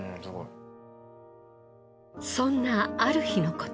そんなある日のこと。